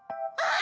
あ！